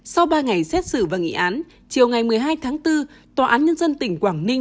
sau ba ngày xét xử và nghị án chiều ngày một mươi hai tháng bốn tòa án nhân dân tỉnh quảng ninh